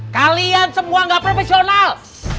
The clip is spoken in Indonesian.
kalian semua gak profesional